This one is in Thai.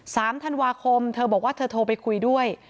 สามธันวาคมเธอบอกว่าเธอโทรไปคุยด้วย